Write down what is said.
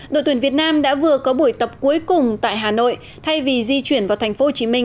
đội tuyển việt nam đã vừa có buổi tập cuối cùng tại hà nội thay vì di chuyển vào thành phố hồ chí minh